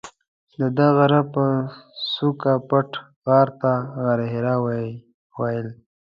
ددې غره پر څوکه پټ غار ته غارحرا ویل.